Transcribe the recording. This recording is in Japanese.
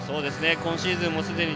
今シーズンも、すでに